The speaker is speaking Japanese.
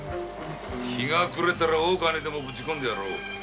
日が暮れたら大川にでもぶちこんでやろう。